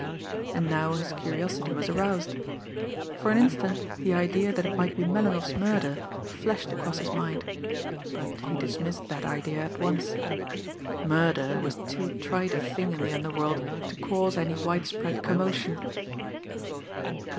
And now his curiosity was aroused. For an instant the idea that it might be Melinoff's murder flashed across his mind; but he dismissed that idea at once. Murder was too trite a thing in the underworld to cause any widespread commotion!